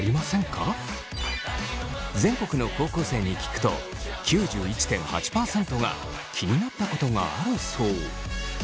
全国の高校生に聞くと９１．８％が気になったことがあるそう。